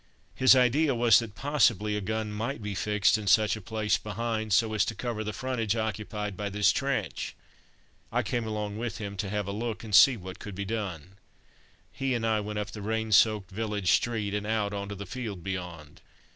His idea was that possibly a gun might be fixed in such a place behind so as to cover the frontage occupied by this trench. I came along with him to have a look and see what could be done. He and I went up the rain soaked village street and out on to the field beyond.